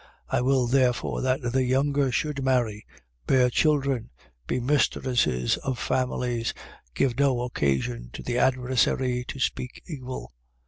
5:14. I will, therefore, that the younger should marry, bear children, be mistresses of families, give no occasion to the adversary to speak evil.